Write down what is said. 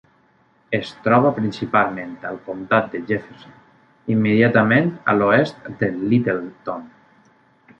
Es troba principalment al comtat de Jefferson, immediatament a l'oest de Littleton.